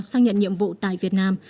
xác nhận nhiệm vụ tại việt nam